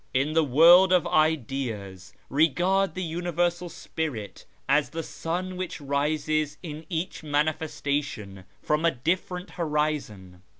In the World of Ideas, regard the Universal Spirit as the sun which rises in each ' manifestation ' from a different horizon.